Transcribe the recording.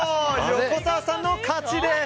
横澤さんの勝ちです！